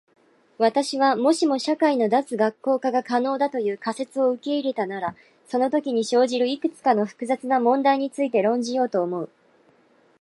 私は、もしも社会の脱学校化が可能だという仮説を受け入れたならそのときに生じるいくつかの複雑な問題について論じようと思う。